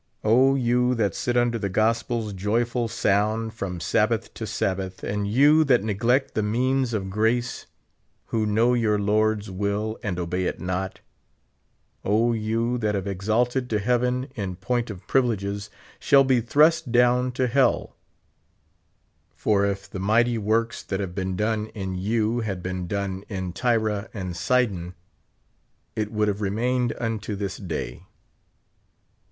O, you tliat sit under the gospel's joyful sound, from Sabbath to Sab bath, and you that neglect the means of grace, who know your Lord's will and obe}' it not ! O. you that have ex alted to heaven in point of privileges, shall be thrust down to hell ; for if the mighty works that have been done in 3'ou had been done in T^^a and Sidon, it would have remained unto this day.